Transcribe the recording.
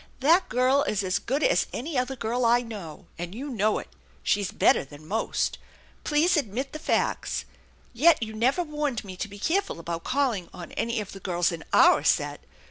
That girl is as good as any other girl I know, and you know it. She's better than most. Please admit the facts. Yet you never warned me to be careful about calling on any of the girls in our set.